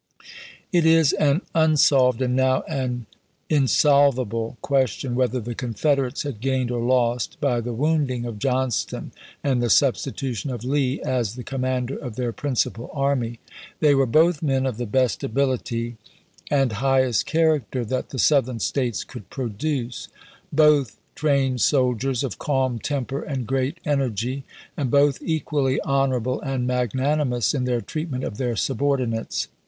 It is an unsolved and now an insolvable question whether the Confederates had gained or lost by the wounding of Johnston and the substitution of Lee as the commander of their principal army. They were both men of the best ability and highest character that the Southern States could produce ; both trained soldiers, of calm temper and great energy; and both equally honorable and magnanimous in their treatment of their subordinates.